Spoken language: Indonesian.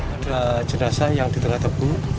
ada jenazah yang di tengah tebu